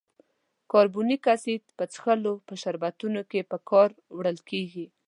کاربونیک اسید په څښلو په شربتونو کې په کار وړل کیږي.